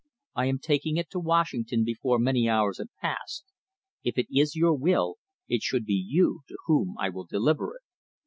I am taking it to Washington before many hours have passed. If it is your will, it should be you to whom I will deliver it."